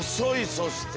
そして。